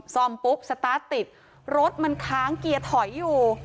ซ่อมปุ๊บสตาร์ทติดรถมันค้างเกียร์ถอยอยู่